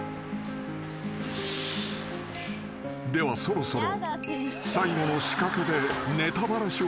［ではそろそろ］